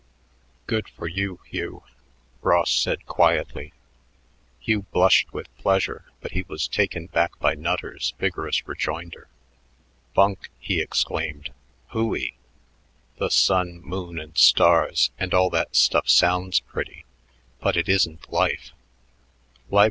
"Good for you, Hugh," Ross said quietly. Hugh blushed with pleasure, but he was taken back by Nutter's vigorous rejoinder. "Bunk!" he exclaimed. "Hooey! The sun, moon, and stars, and all that stuff sounds pretty, but it isn't life.